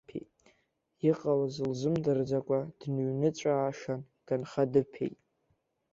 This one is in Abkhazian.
Иҟалаз лзымдырӡакәа дныҩныҵәаашан, ганха дыԥеит.